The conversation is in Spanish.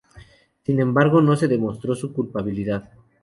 Sin embargo no se demostró su culpabilidad.